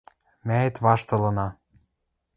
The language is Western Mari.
Мӓэт ваштылына.